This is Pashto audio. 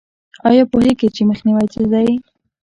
ایا پوهیږئ چې مخنیوی څه دی؟